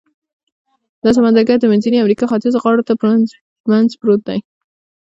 دا سمندرګي د منځنۍ امریکا ختیځو غاړو تر منځ پروت دی.